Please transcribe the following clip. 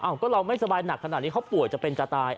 ก็เราไม่สบายหนักขนาดนี้เขาป่วยจะเป็นจะตาย